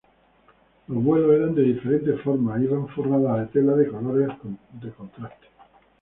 Los vuelos eran de diferentes formas e iban forradas de telas de colores contrastes.